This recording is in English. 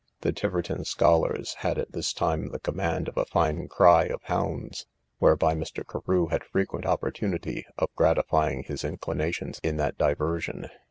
The Tiverton scholars had at this time the command of a fine cry of hounds, whereby Mr. Carew had frequent opportunity of gratifying his inclinations in that diversion.